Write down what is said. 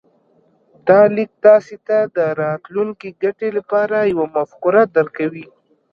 دا ليک تاسې ته د راتلونکې ګټې لپاره يوه مفکوره درکوي.